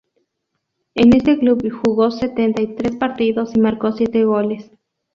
En este club jugó setenta y tres partidos y marcó siete goles.